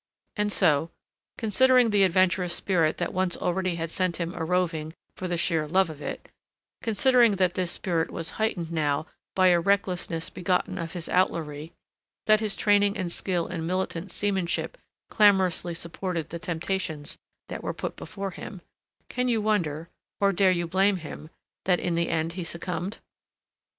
And so, considering the adventurous spirit that once already had sent him a roving for the sheer love of it, considering that this spirit was heightened now by a recklessness begotten of his outlawry, that his training and skill in militant seamanship clamorously supported the temptations that were put before him, can you wonder, or dare you blame him, that in the end he succumbed?